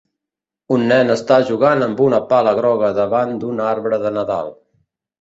Un nen està jugant amb una pala groga davant d'un arbre de nadal.